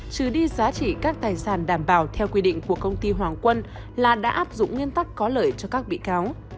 trừ đi giá trị các tài sản đảm bảo theo quy định của công ty hoàng quân là đã áp dụng nguyên tắc có lợi cho các bị cáo